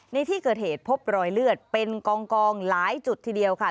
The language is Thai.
ในที่เกิดเหตุพบรอยเลือดเป็นกองหลายจุดทีเดียวค่ะ